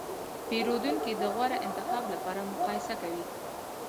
پیرودونکي د غوره انتخاب لپاره مقایسه کوي.